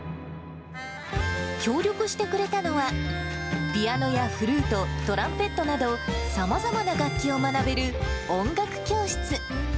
協力してくれたのは、ピアノやフルート、トランペットなど、さまざまな楽器を学べる音楽教室。